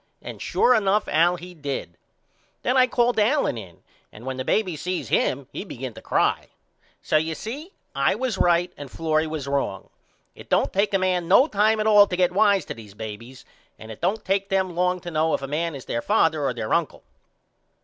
And sure enough Al he did. Then I called Allen in and when the baby seen him he begin to cry. So you see I was right and Florrie was wrong. It don't take a man no time at all to get wise to these babys and it don't take them long to know if a man is there father or their uncle.